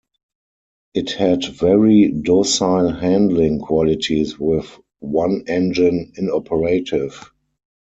It had very docile handling qualities with one engine inoperative.